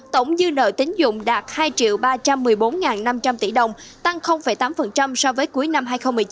tổng dư nợ tính dụng đạt hai ba trăm một mươi bốn năm trăm linh tỷ đồng tăng tám so với cuối năm hai nghìn một mươi chín